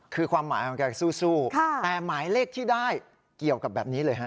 คือความหมายของแกสู้แต่หมายเลขที่ได้เกี่ยวกับแบบนี้เลยฮะ